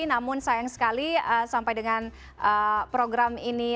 namun sayang sekali sampai dengan program ini